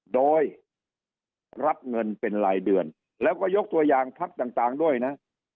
โดยรับเงินเป็นรายเดือนแล้วก็ยกตัวอย่างพักต่างด้วยนะ